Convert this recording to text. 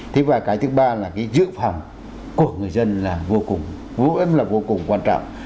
thế và cái thứ ba là cái giữ phòng của người dân là vô cùng vô cùng là vô cùng quan trọng